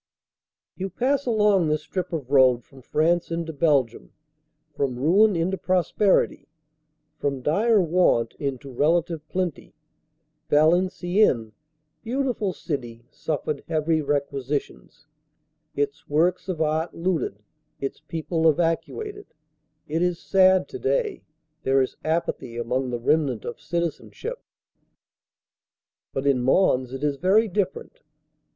* You pass along this strip of road from France into Belgium from ruin into prosperity, from dire want into relative plenty. Valenciennes, beautiful city, suffered heavy requisi tions ; its works of art looted ; its people evacuated. It is sad to day. There is apathy among the remnant of citizenship. But in Mons it is very different.